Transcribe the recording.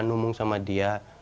numung sama dia